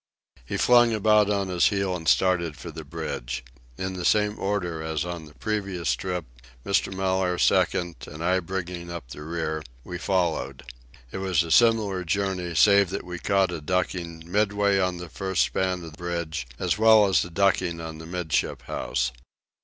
He flung about on his heel and started for the bridge. In the same order as on the previous trip, Mr. Mellaire second, and I bringing up the rear, we followed. It was a similar journey, save that we caught a ducking midway on the first span of bridge as well as a ducking on the 'midship house.